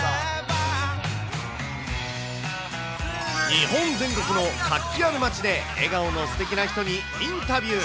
日本全国の活気ある街で笑顔の素敵な人にインタビュー。